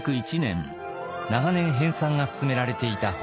長年編さんが進められていた法典